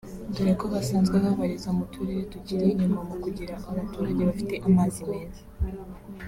dore ko basanzwe babarizwa mu turere tukiri inyuma mu kugira abaturage bafite amazi meza